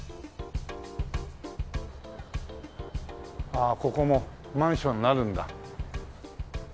ああここもマンションになるんだ。